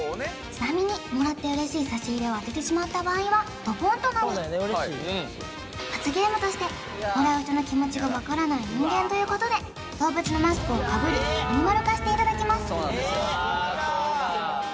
ちなみにもらって嬉しい差し入れを当ててしまった場合はドボンとなり罰ゲームとしてもらう人の気持ちがわからない人間ということで動物のマスクをかぶりアニマル化していただきます